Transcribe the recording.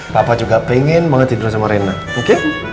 bapak juga pengen banget tidur sama rena oke